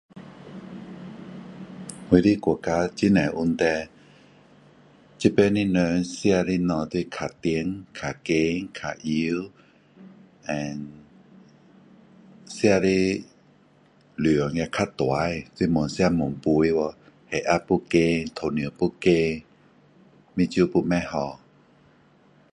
我的国家很多问题。这边的人吃的东西，都是较甜，较咸，较油 and 吃的量也较大。是越吃越肥，血压又高，糖尿也高，眼睛也不好。